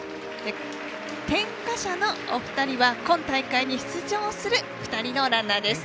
点火者のお二人は今大会に出場する２人のランナーです。